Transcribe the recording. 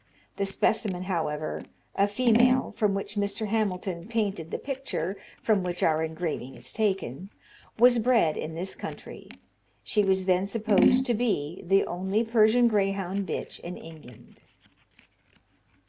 The specimen, however, (a female), from which Mr. Hamilton painted the picture from which our engraving is taken, was bred in this country. She was then supposed to be the only Persian greyhound bitch in England."